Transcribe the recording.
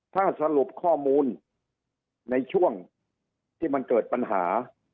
ถ้าสรุปข้อมูลในช่วงที่มันเกิดปัญหา